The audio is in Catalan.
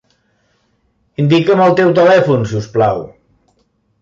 Indica'm el teu telèfon, si us plau.